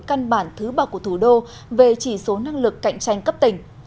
căn bản thứ ba của thủ đô về chỉ số năng lực cạnh tranh cấp tỉnh